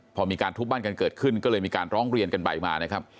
พอมีการทุบบ้านกันเกิดขึ้นก็เลยมีการร้องเรียนกันไปมานะครับ